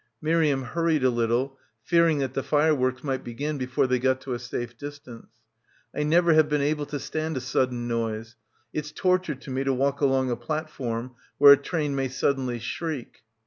Miriam hurried a little, fearing that the fireworks might begin before they got to a safe distance. "I never have been able to stand a sudden noise. It's torture to me to walk along a plat form where a train may suddenly shriek."